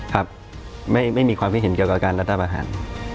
ครับไม่มีความคิดเห็นเกี่ยวกับการรัฐประหาร